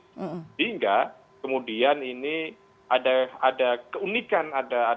sehingga kemudian ini ada keunikan